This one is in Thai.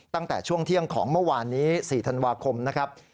ตั้งแต่ช่วงเที่ยงของเมื่อวานนี้๔ธันวาคมนะครับ